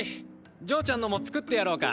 嬢ちゃんのも作ってやろうか？